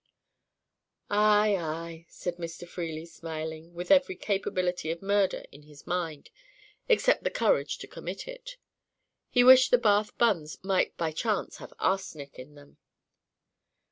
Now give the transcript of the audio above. "Aye, aye," said Mr. Freely, smiling, with every capability of murder in his mind, except the courage to commit it. He wished the Bath buns might by chance have arsenic in them.